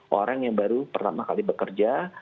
orang yang baru pertama kali bekerja